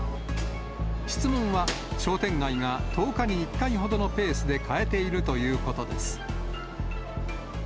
質問は、商店街が１０日に１回ほどのペースで変えているということです。